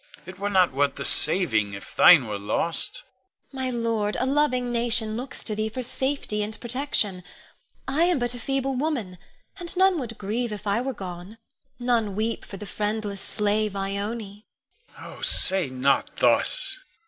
It were not worth the saving if thine were lost. Ione. My lord, a loving nation looks to thee for safety and protection. I am but a feeble woman, and none would grieve if I were gone; none weep for the friendless slave, Ione. Con. Oh, say not thus!